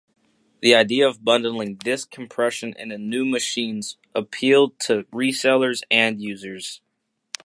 The idea of bundling disk compression into new machines appealed to resellers and users.